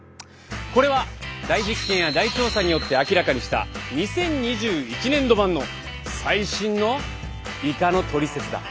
これは大実験や大調査によって明らかにした２０２１年度版の最新の「イカのトリセツ」だ！